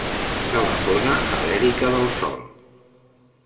Telefona a l'Erica Del Sol.